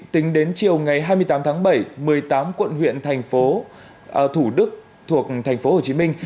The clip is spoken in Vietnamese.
tính đến chiều ngày hai mươi tám tháng bảy một mươi tám quận huyện thành phố thủ đức thuộc thành phố hồ chí minh